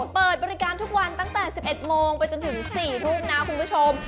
เปิดบริการทุกวันตั้งแต่๑๑โมงไปจนถึง๔ทุ่มนะคุณผู้ชม